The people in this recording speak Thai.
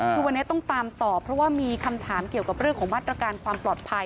คือวันนี้ต้องตามต่อเพราะว่ามีคำถามเกี่ยวกับเรื่องของมาตรการความปลอดภัย